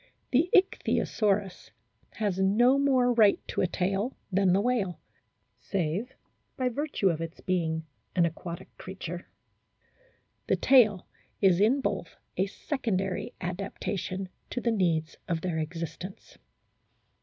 The Ichthyosaurus has no more right to a tail than the whale, save by virtue of its being an aquatic creature ; the tail is in both a secondary adaptation to the needs of their existence.